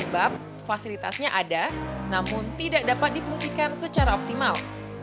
sebab fasilitasnya ada namun tidak dapat difungsikan secara optimal